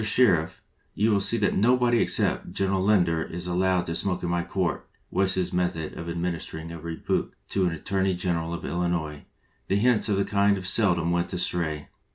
Sher iff, you will see that nobody except General Lin der is allowed to smoke in my court," was his method of administering a rebuke to the Attor ney General of Illinois, and hints of this kind seldom went astray.